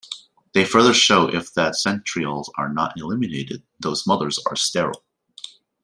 They further show that if the centrioles are not eliminated, those mothers are sterile.